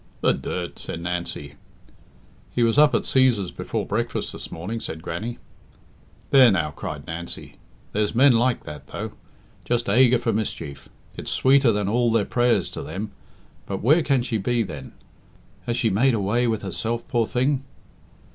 "The dirt!" said Nancy. "He was up at Cæsar's before breakfast this morning," said Grannie. "There now!" cried Nancy. "There's men like that, though. Just aiger for mischief. It's sweeter than all their prayers to them.... But where can she be, then? Has she made away with herself, poor thing?"